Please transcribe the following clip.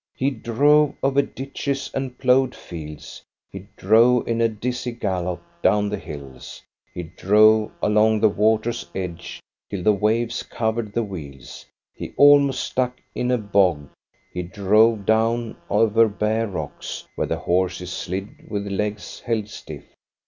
He drove over ditches and ploughed fields ; he drove in a dizzy gallop down the hills ; he drove along the water's edge, till the waves covered the wheels ; he almost stuck in a bog; he drove down over bare rocks, where the horses slid with legs held stiff.